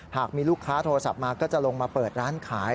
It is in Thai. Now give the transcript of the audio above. หากมีลูกค้าโทรศัพท์มาก็จะลงมาเปิดร้านขาย